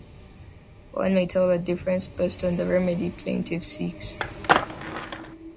One may tell the difference based on the remedy plaintiff seeks.